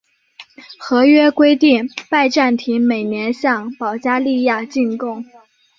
合约规定拜占庭每年向保加利亚进贡。